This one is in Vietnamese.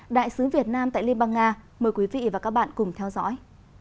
đại sứ việt nam tại liên bang nga mời quý vị và các bạn cùng theo dõi